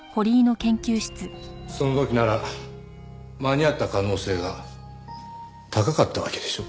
その時なら間に合った可能性が高かったわけでしょう。